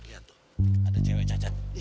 iya tuh ada cewek cacat